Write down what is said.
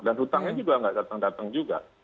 dan hutangnya juga nggak datang datang juga